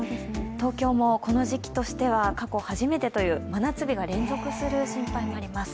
東京もこの時期としては過去初めてという真夏日が連続する心配もあります。